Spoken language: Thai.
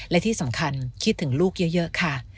และที่สำคัญคิดถึงลูกเยอะค่ะ